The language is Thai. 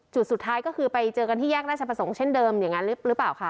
จุดสุดท้ายก็คือไปเจอกันที่แยกราชประสงค์เช่นเดิมอย่างนั้นหรือเปล่าคะ